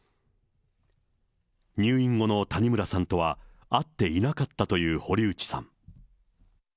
入院後の谷村さんとは会っていなかったという堀内さん。